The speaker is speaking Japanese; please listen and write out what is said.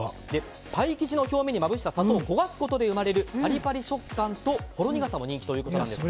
パイ生地の表面にまぶした砂糖を焦がすことで生まれるパリパリ食感とほろ苦さも人気ということです。